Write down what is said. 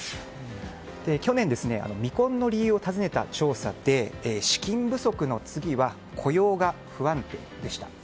去年、未婚の理由をたずねた調査で資金不足の次は雇用が不安定でした。